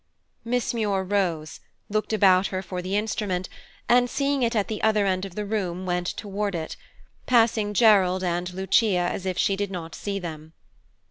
Miss Muir rose, looked about her for the instrument, and seeing it at the other end of the room went toward it, passing Gerald and Lucia as if she did not see them.